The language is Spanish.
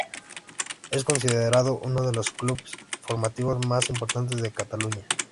Es considerado uno de los clubes formativos más importantes de Cataluña.